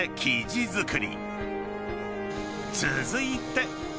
［続いて］